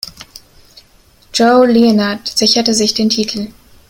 Joe Leonard sicherte sich den Titel.